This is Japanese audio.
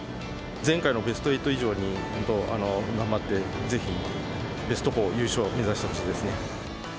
前回のベスト８以上に本当、頑張って、ぜひベスト４、優勝目指してほしいですね。